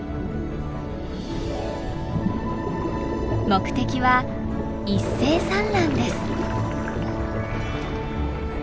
目的は一斉産卵です。